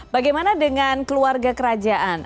bagaimana dengan keluarga kerajaan